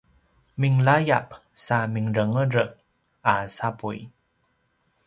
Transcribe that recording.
minlayap sa mirengereng a sapuy